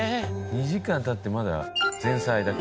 ２時間経ってまだ前菜だけ。